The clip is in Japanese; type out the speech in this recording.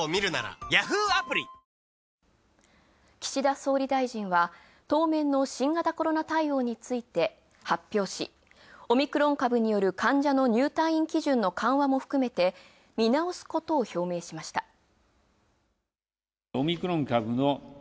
岸田総理大臣は、当面の新型コロナ対応にたいし発表し、オミクロン株による患者の入退院基準の緩和も含めて見直すことを表明しました。